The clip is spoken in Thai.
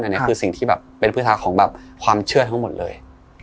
อันนี้คือสิ่งที่แบบเป็นพื้นฐานของแบบความเชื่อทั้งหมดเลย